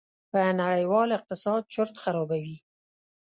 په نړېوال اقتصاد چورت خرابوي.